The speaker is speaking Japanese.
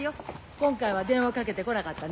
今回は電話かけて来なかったね。